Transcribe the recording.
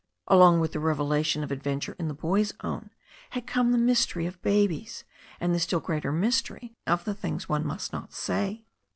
Along with the revelation of adventure in the Boyf Own had come the mystery of babies, and the still greater mystery of the things one must not say.